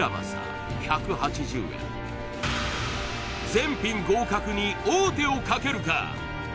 全品合格に王手をかけるか？